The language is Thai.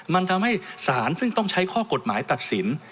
มันทำให้สารซึ่งต้องใช้ข้อกฎหมายตัดสิน